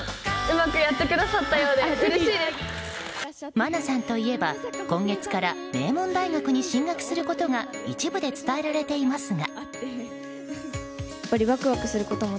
愛菜さんといえば、今月から名門大学に進学することが一部で伝えられていますが。